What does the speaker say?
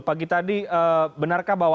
pagi tadi benarkah bahwa